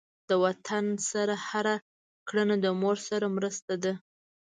د وطن سره هر کړنه د مور سره مرسته ده.